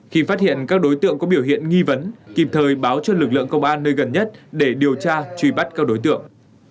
khi phát hiện các đối tượng có biểu hiện nghi vấn kịp thời báo cho lực lượng công an nơi gần nhất để điều tra truy bắt các đối tượng